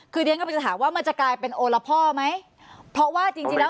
คือเรียนกำลังจะถามว่ามันจะกลายเป็นโอละพ่อไหมเพราะว่าจริงจริงแล้ว